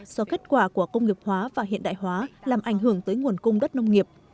do kết quả của công nghiệp hóa và hiện đại hóa làm ảnh hưởng tới nguồn cung đất nông nghiệp